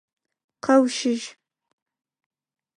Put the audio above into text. Къэущэжь!